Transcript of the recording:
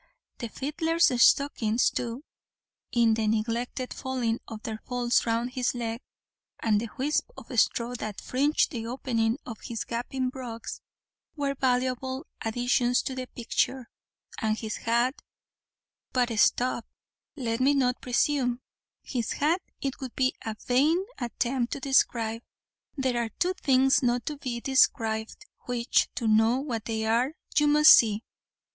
The fiddler's stockings, too, in the neglected falling of their folds round his leg, and the whisp of straw that fringed the opening of his gaping brogues, were valuable additions to the picture; and his hat But stop, let me not presume; his hat it would be a vain attempt to describe. There are two things not to be described, which, to know what they are, you must see.